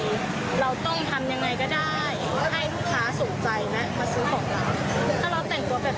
ให้ลูกค้าสงใจนะมาซื้อของเราถ้าเราแต่งตัวแบบเดิมเดิม